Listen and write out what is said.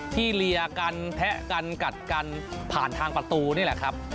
เลียกันแทะกันกัดกันผ่านทางประตูนี่แหละครับ